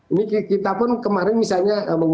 ini kita pun kemarin misalnya